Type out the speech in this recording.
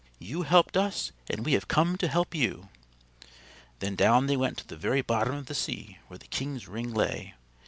"You helped us, and we have come to help you." Then down they went to the very bottom of the sea where the king's ring lay.